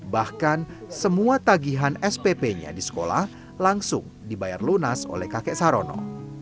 bahkan semua tagihan spp nya di sekolah langsung dibayar lunas oleh kakek sarono